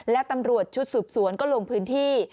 และตำรวจชุดสืบสวนก็ลงพื้นที่